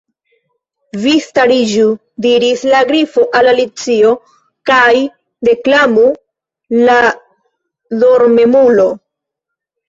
"Vi stariĝu," diris la Grifo al Alicio, "kaj deklamu ' la Dormemulo.'"